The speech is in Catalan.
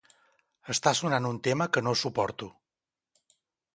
Està sonant un tema que no suporto.